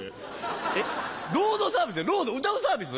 えっロードサービスって『ロード』歌うサービス？